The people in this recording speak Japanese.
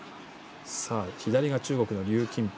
左が中国の龍金宝